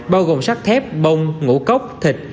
bao gồm sắc thép bông ngũ cốc thịt